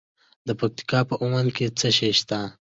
د پکتیکا په اومنه کې څه شی شته؟